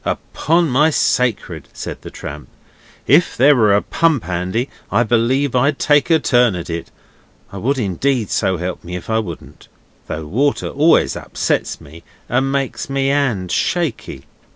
'Upon my sacred,' said the tramp, 'if there was a pump handy I believe I'd take a turn at it I would indeed, so help me if I wouldn't! Though water always upsets me and makes my 'and shaky.